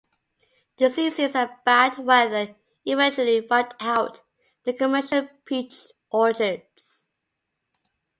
Diseases and bad weather eventually wiped out the commercial peach orchards.